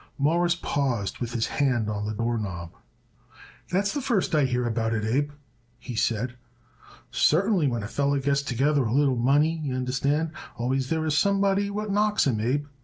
Morris paused with his hand on the door knob. "That's the first I hear about it, Abe," he said. "Certainly, when a feller gets together a little money, y'understand, always there is somebody what knocks him, Abe.